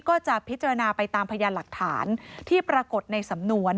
ก็จะพิจารณาไปตามพยานหลักฐานที่ปรากฏในสำนวน